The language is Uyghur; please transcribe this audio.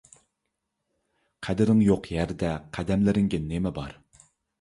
قەدرىڭ يوق يەردە قەدەملىرىڭگە نېمە بار؟